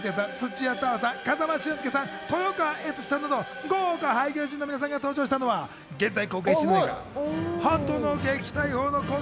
こちら藤原竜也さん、土屋太鳳さん、風間俊介さん、豊川悦司さんなど、豪華俳優陣の皆さんが登場したのは現在公開中の映画『鳩の撃退法』の公開